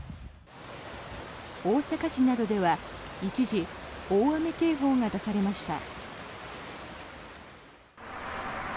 大阪市などでは一時大雨警報が出されました。